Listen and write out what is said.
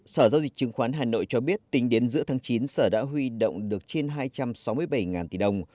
sở giao dịch chứng khoán hà nội cho biết tính đến giữa tháng chín sở đã huy động được trên hai trăm sáu mươi bảy tỷ đồng